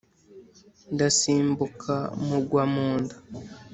ndasimbuka mugwa mu nda